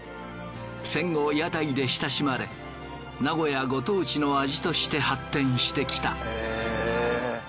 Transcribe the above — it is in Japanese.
戦後屋台で親しまれ名古屋ご当地の味として発展してきた。